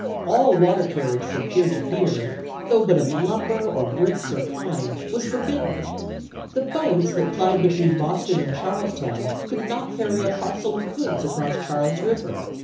All water carriage from pier to pier, though but of lumber, or bricks, or kine, was forbidden. The boats that plied between Boston and Charlestown could not ferry a parcel of goods across Charles River.